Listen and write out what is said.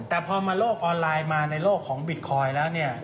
แต่พอมาโลกออนไลน์มาในโลกของบิตคอยน์แล้วเนี่ย